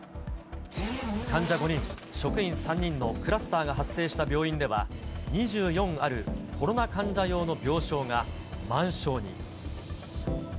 患者５人、職員３人のクラスターが発生した病院では、２４あるコロナ患者用の病床が満床に。